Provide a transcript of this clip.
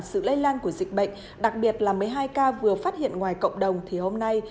sự lây lan của dịch bệnh đặc biệt là một mươi hai ca vừa phát hiện ngoài cộng đồng thì hôm nay